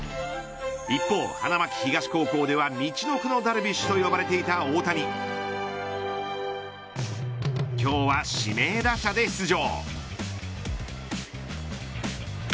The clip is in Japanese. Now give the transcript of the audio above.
一方、花巻東高校ではみちのくのダルビッシュと言われていた大谷今日は指名打者で出場。